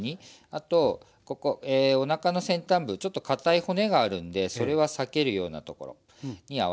あとここおなかの先端部ちょっとかたい骨があるんでそれは避けるようなところに合わせます。